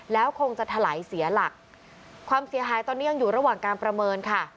แล้วคงจะถลายเสียหลักความเสียหายตอนนี้ยังอยู่ระหว่างการประเมินค่ะ